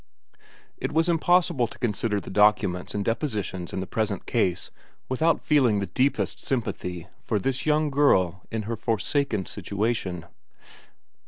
It was impossible to consider the documents and depositions in the present case without feeling the deepest sympathy for this young girl in her forsaken situation.